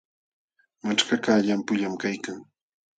Machkakaq llampullam kaykan.